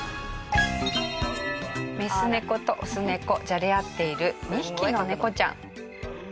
メス猫とオス猫じゃれ合っている２匹の猫ちゃん。